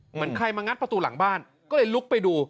เหมือนใครมางัดประตูหลังบ้านก็เลยลุกไปดู